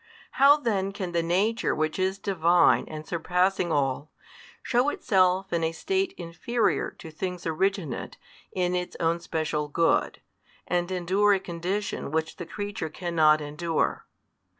How then can the Nature Which is Divine and surpassing all, shew Itself in a state inferior to things originate in Its own special good, and endure a condition which the creature cannot endure?